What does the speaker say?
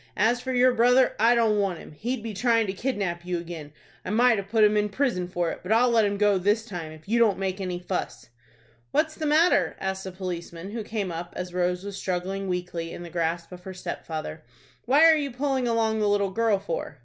As for your brother, I don't want him. He'd be trying to kidnap you again. I might have put him in prison for it; but I'll let him go this time, if you don't make any fuss." "What is the matter?" asked a policeman, who came up as Rose was struggling weakly in the grasp of her stepfather. "What are you pulling along the little girl for?"